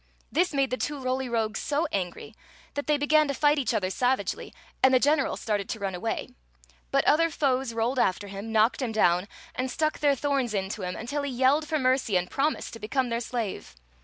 This made the two Roly Rogues so angry that 2i8 Queen Zixi of Ix; or, the they y .gan to fight each other savagely, and the gen eral started to run away. But other foes rolled after him, knocked him down, and stuck their thorns into him until he yelled for mercy and promised to become their slave.